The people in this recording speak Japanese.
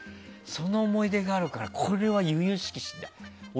その思い出があるからこれは由々しき事態。